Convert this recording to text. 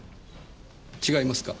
違いますか？